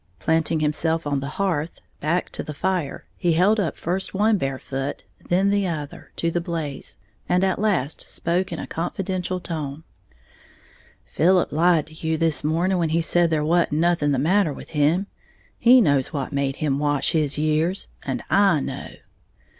Planting himself on the hearth, back to the fire, he held up first one bare foot, then the other, to the blaze, and at last spoke in a confidential tone: "Philip lied to you this morning when he said there wa'n't nothing the matter with him. He knows what made him wash his years, and I know."